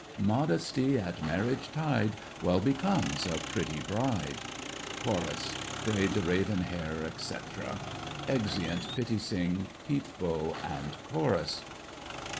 Modesty at marriage tide Well becomes a pretty bride! CHORUS. Braid the raven hair, etc. [Exeunt Pitti Sing, Peep Bo, and Chorus.